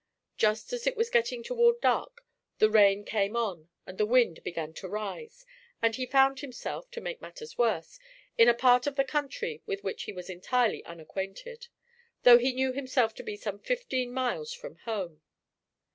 Just as it was getting toward dark, the rain came on and the wind began to rise, and he found himself, to make matters worse, in a part of the country with which he was entirely unacquainted, though he knew himself to be some fifteen miles from home.